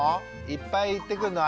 いっぱい言ってくんの？